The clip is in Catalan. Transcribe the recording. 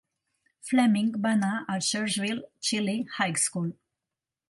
Fleming va anar al Churchville-Chili High School.